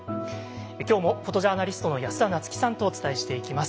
今日もフォトジャーナリストの安田菜津紀さんとお伝えしていきます。